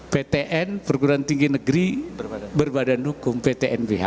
ptn perguruan tinggi negeri berbadan hukum ptnbh